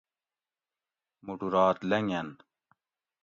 موٹو رات لنگین